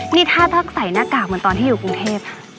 นี่ถ้าใส่หน้ากากเหมือนตอนที่อยู่กรุงเทพ